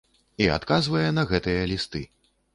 І адказвае на гэтыя лісты.